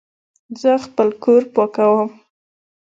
زه خپل کور پاکوم